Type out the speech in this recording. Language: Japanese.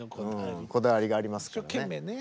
こだわりがありますからね。